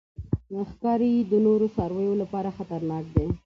ښکاري د نورو څارویو لپاره خطرناک دی.